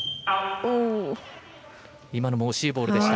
今のも惜しいボールでした。